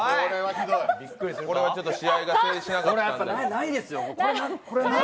これは試合が成立しなかった。